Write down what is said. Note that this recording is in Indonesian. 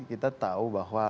kita tahu bahwa